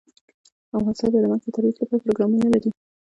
افغانستان د نمک د ترویج لپاره پروګرامونه لري.